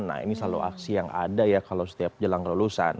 nah ini selalu aksi yang ada ya kalau setiap jelang kelulusan